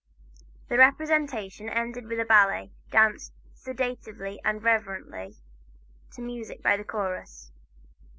The representation ended with a ballet, danced "sedately and reverently" to music by the chorus.